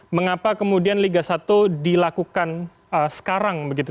mengapa kemudian liga satu dilakukan sekarang begitu